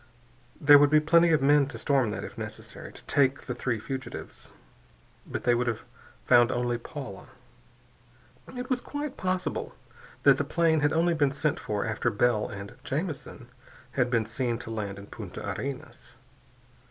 There would be plenty of men to storm that, if necessary, to take the three fugitives. But they would have found only Paula. It was quite possible that the plane had only been sent for after Bell and Jamison had been seen to land in Punta Arenas.